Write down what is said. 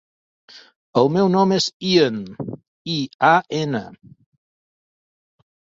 El meu nom és Ian: i, a, ena.